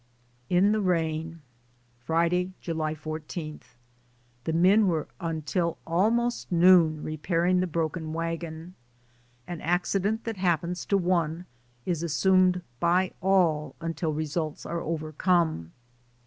IN THE RAIN. Friday, July 14. The men were until almost noon repairing the broken wagon. An accident that hap 148 • DAYS ON THE ROAD. pens to one is assumed by all until results are overcome.